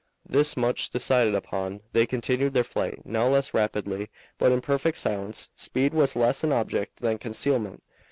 This much decided upon, they continued their flight, now less rapidly, but in perfect silence. Speed was less an object than concealment.